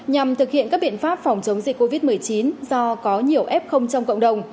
nhằm thực hiện các biện pháp phòng chống dịch covid một mươi chín do có nhiều f trong cộng đồng